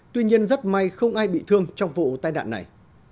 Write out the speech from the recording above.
tuy nhiên rất may không ai bị thương trong vụ tai nạn này